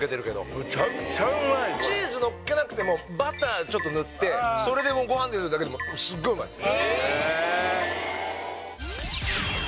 これチーズのっけなくてもバターちょっと塗ってそれで「ごはんですよ！」だけでもすっごいうまいです